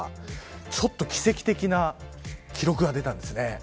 ちょっと奇跡的な記録が出たんですね。